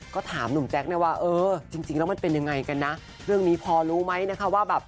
ก็ถามหนุ่มแจ๊คนะว่าเออจริงแล้วมันเป็นยังไงกันนะเรื่องนี้พอรู้ไหมนะคะว่าแบบ